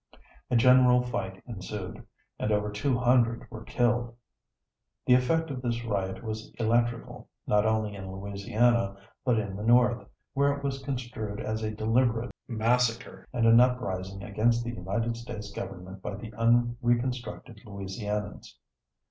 A general fight ensued, and over two hundred were killed. The effect of this riot was electrical, not only in Louisiana but in the North, where it was construed as a deliberate massacre, and an uprising against the United States Government by the unreconstructed Louisianians.